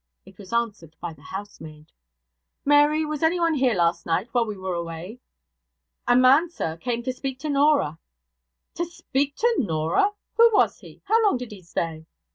It was answered by the housemaid. 'Mary, was anyone here last night, while we were away?' 'A man, sir, came to speak to Norah.' 'To speak to Norah! Who was he? How long did he stay?'